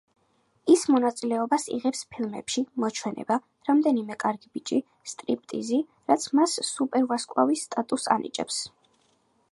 ის მონაწილეობას იღებს ფილმებში: „მოჩვენება“, „რამდენიმე კარგი ბიჭი“, „სტრიპტიზი“, რაც მას სუპერვარსკვლავის სტატუსს ანიჭებს.